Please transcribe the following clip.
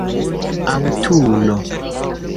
aŭtuno